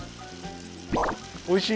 おいしい？